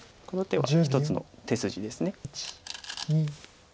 この手は一つの手筋です。